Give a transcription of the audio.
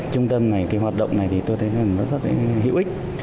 trung tâm này cái hoạt động này thì tôi thấy rằng nó rất là hữu ích